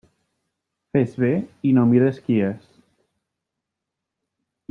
Fes bé i no mires qui és.